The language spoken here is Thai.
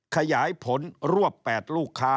ขยายผลรวบ๘ลูกค้า